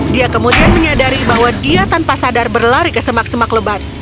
dia kemudian menyadari bahwa dia tanpa sadar berlari ke semak semak lebat